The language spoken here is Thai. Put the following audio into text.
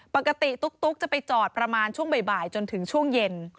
ตุ๊กจะไปจอดประมาณช่วงบ่ายจนถึงช่วงเย็น